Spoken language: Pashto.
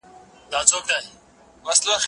زه مخکي مېوې خوړلې وه!.